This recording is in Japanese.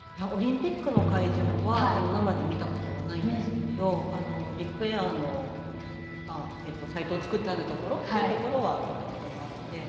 オリンピックの会場は生で見たことはないんですけどビッグエアのサイトを作ってあるところというのは行ったことがあって。